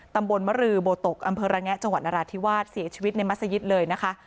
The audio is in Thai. ตำบลมรือโบตกอำเภอระแงะจังหวัดนราธิวาสเสียชีวิตในมัศยิตเลยนะคะ